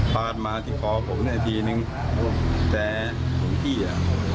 พาดมาที่คอผมเนี่ยทีนึงแต่พี่เนี่ย